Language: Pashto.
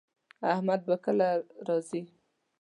احمد به کله راځي